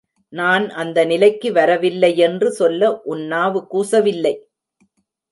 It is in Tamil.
நான் அந்த நிலைக்கு வரவில்லை யென்று சொல்ல உன் நாவு கூசவில்லை?